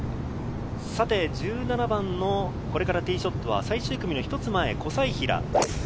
１７番のこれからティーショットは最終組の一つ前、小斉平。